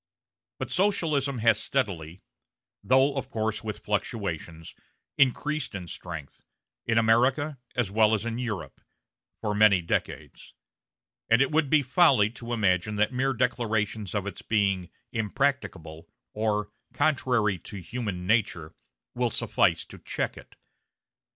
But Socialism has steadily though of course with fluctuations increased in strength, in America as well as in Europe, for many decades; and it would be folly to imagine that mere declarations of its being "impracticable," or "contrary to human nature," will suffice to check it.